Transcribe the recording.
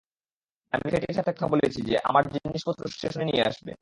আমি ফেটির সাথে কথা বলেছি সে আমার জিনিসপত্র স্টেশন নিয়ে আসবে।